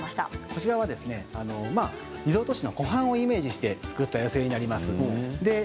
こちらはリゾート地の湖畔をイメージして作った寄せ植えになります。